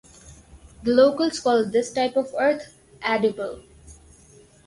The locals call this type of earth "adable".